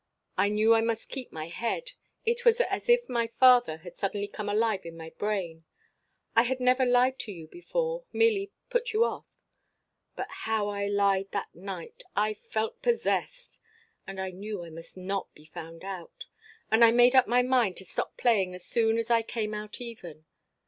I knew I must keep my head. It was as if my father had suddenly come alive in my brain. I had never lied to you before, merely put you off. But how I lied that night! I felt possessed. But I knew I must not be found out, and I made up my mind to stop playing as soon as I came out even.